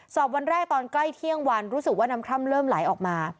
วันแรกตอนใกล้เที่ยงวันรู้สึกว่าน้ำคร่ำเริ่มไหลออกมา